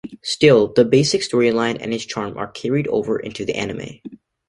Still, the basic story line and its charm are carried over into the anime.